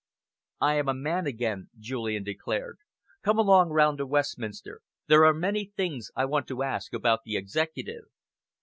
"I am a man again," Julian declared. "Come along round to Westminster. There are many things I want to ask about the Executive."